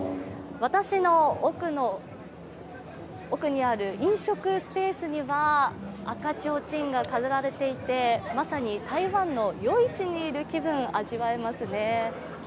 私の奥にある飲食スペースには赤ちょうちんが飾られていて、まさに台湾の夜市にいる気分、味わえますね。